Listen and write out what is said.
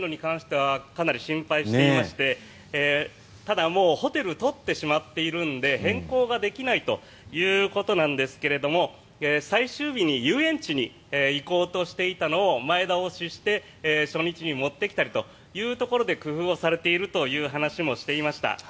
台風の進路に関してはかなり心配していましてただ、もうホテルを取ってしまっているので変更ができないということなんですが最終日に遊園地に行こうとしていたのを前倒しして初日に持ってきたりというところで工夫をされているという話もしていました。